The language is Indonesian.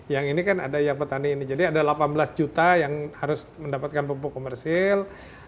yang ini kan ada yang petani ini jadi ada delapan belas juta yang harus mendapatkan pupuk komersil